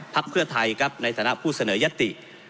เพื่อไทยครับในฐานะผู้เสนอยติ